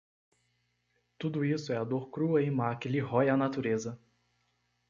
tudo isso é a dor crua e má que lhe rói à Natureza